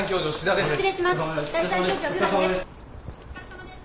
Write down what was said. ・お疲れさまです。